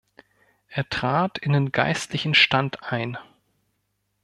Er trat in den geistlichen Stand ein.